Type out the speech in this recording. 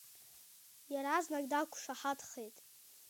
Иаразнак дақәшаҳаҭхеит.